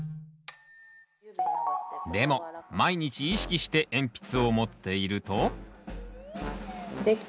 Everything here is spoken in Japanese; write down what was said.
でも毎日意識して鉛筆を持っていると。